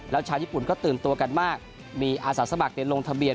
แล้วชาวญี่ปุ่นก็ตื่นตัวกันมากมีอาสาสมัครลงทะเบียน